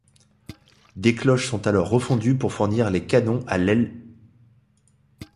Des cloches sont alors refondues pour fournir des canons à l'.